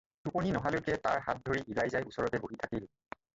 টোপনী নহালৈকে তাৰ হাত ধৰি ইলাইজাই ওচৰতে বহি থাকিল।